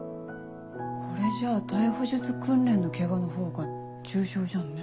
これじゃあ逮捕術訓練のケガのほうが重傷じゃんね。